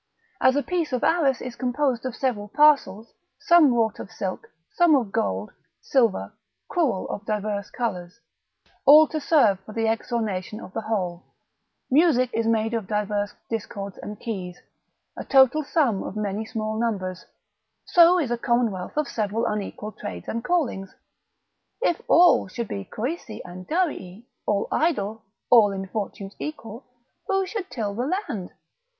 As a piece of arras is composed of several parcels, some wrought of silk, some of gold, silver, crewel of diverse colours, all to serve for the exornation of the whole: music is made of diverse discords and keys, a total sum of many small numbers, so is a commonwealth of several unequal trades and callings. If all should be Croesi and Darii, all idle, all in fortunes equal, who should till the land?